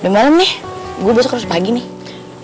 udah malam nih gue besok harus pagi nih